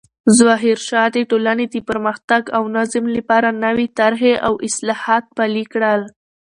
ظاهرشاه د ټولنې د پرمختګ او نظم لپاره نوې طرحې او اصلاحات پلې کړل.